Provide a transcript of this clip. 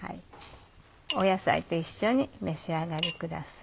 野菜と一緒にお召し上がりください。